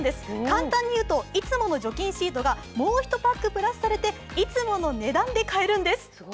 簡単に言うといつもの除菌シートがもう１パックプラスされていつもの値段で買えるんです。